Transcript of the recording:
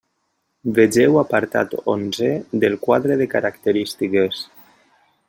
Vegeu apartat onzé del quadre de característiques.